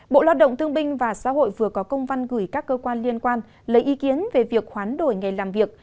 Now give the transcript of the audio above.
bộ lao động thương binh và xã hội vừa có công văn gửi các cơ quan liên quan lấy ý kiến về việc hoán đổi ngày làm việc